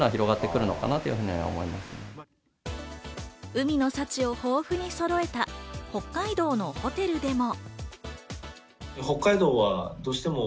海の幸を豊富に揃えた北海道のホテルでも。